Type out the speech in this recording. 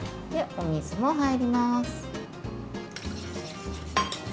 お水も入ります。